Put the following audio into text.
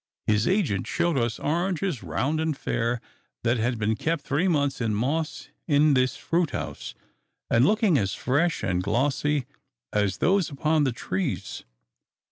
His agent showed us oranges round and fair that had been kept three months in moss in this fruit house, and looking as fresh and glossy as those upon the trees.